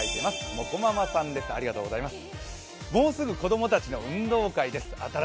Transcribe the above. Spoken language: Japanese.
モコママさんです、ありがとうございます。